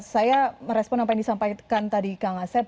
saya merespon apa yang disampaikan tadi kang asep